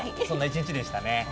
そんな一日でしたね。